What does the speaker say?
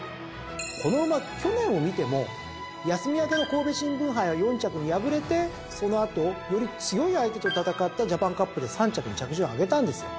この馬去年を見ても休み明けの神戸新聞杯は４着に敗れてその後より強い相手と戦ったジャパンカップで３着に着順上げたんですよ。